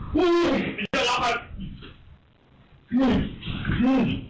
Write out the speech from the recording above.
วู้ววว